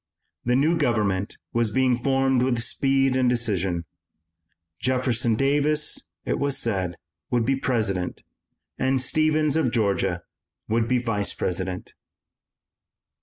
The new government was being formed with speed and decision. Jefferson Davis, it was said, would be President, and Stephens of Georgia would be Vice President.